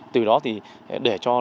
từ đó thì để cho các nhà trồng